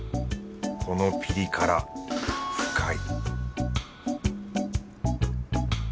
このピリ辛深い